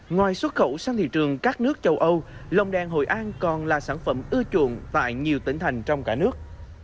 ngoài xuất khẩu sang thị trường các nước châu âu lồng đèn hội an còn là sản phẩm ưa chuộng tại nhiều tỉnh thành trong cả nước